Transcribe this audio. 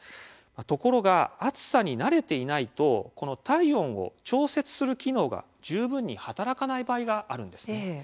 ところが暑さに慣れていないとこの体温を調節する機能が十分に働かない場合があるんです。